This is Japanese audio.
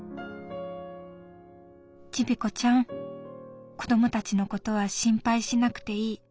「『チビコちゃん子どもたちのことは心配しなくていい。